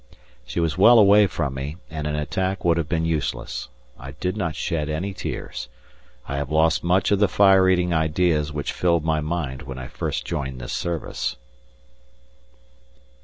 She was well away from me, and an attack would have been useless. I did not shed any tears; I have lost much of the fire eating ideas which filled my mind when I first joined this service.